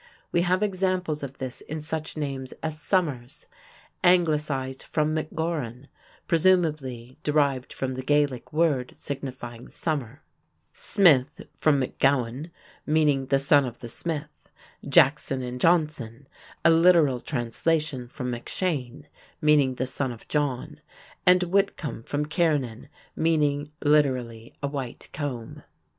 We have examples of this in such names as Somers, anglicised from McGauran (presumably derived from the Gaelic word signifying "summer"); Smith from McGowan (meaning "the son of the smith"); Jackson and Johnson, a literal translation from MacShane (meaning "the son of John"); and Whitcomb from Kiernan (meaning, literally, "a white comb").